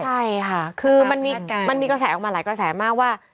ใช่ค่ะคือมันมีกระแสออกมาหลายกระแสมากว่า